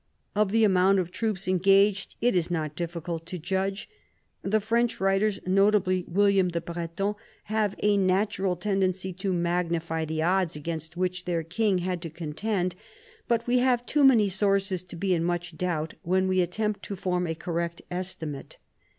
Of the amount of troops engaged it is not difficult to judge. The French writers, notably William the Breton, have a natural tendency to magnify the odds against which their king had to contend, but we have too many sources to be in much doubt when we attempt to form a correct estimate.